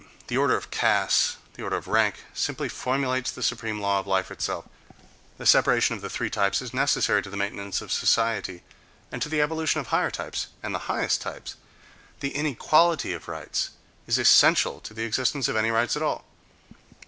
The order of castes, the order of rank, simply formulates the supreme law of life itself; the separation of the three types is necessary to the maintenance of society, and to the evolution of higher types, and the highest types—the inequality of rights is essential to the existence of any rights at all.